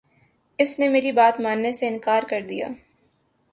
اس نے میری بات ماننے سے انکار کر دیا